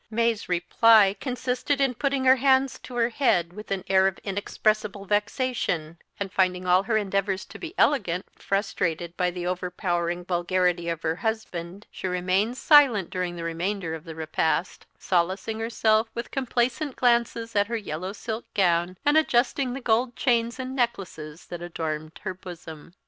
May's reply consisted in putting her hands to her head, with an air of inexpressible vexation; and finding all her endeavours to be elegant frustrated by the overpowering vulgarity of her husband, she remained silent during the remainder of the repast; solacing herself with complacent glances at her yellow silk gown, and adjusting the gold chains and necklaces that adorned her bosom.